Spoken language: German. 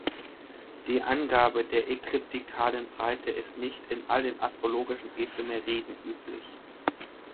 Die Angabe der ekliptikalen Breite ist nicht in allen astrologischen Ephemeriden üblich.